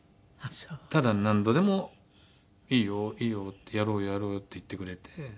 ただ何度でも「いいよいいよやろうやろう」って言ってくれて。